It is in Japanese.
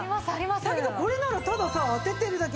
だけどこれならたださ当ててるだけ。